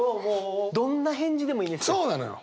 どんな返事でもいいんですよ。